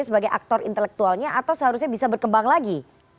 sebagai aktor intelektualnya atau seharusnya bisa berkembang lagi